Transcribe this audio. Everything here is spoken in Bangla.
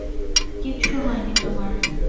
কিচ্ছু হয়নি তোমার।